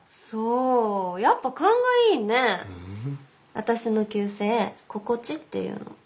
私の旧姓爰地っていうの。